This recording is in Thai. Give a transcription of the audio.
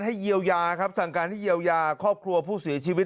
เยียวยาครับสั่งการให้เยียวยาครอบครัวผู้เสียชีวิต